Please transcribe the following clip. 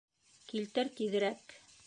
Килтер тиҙерәк!